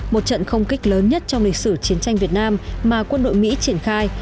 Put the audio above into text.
một trận không kích lớn nhất trong lịch sử chiến tranh việt nam mà quân đội mỹ triển khai